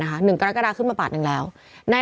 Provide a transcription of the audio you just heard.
คือ๑กรกฎาคมขึ้นมาอีก๑บาท